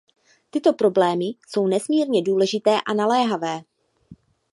Tyto problémy jsou nesmírně důležité a naléhavé.